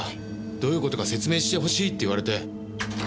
どういう事か説明してほしいって言われて。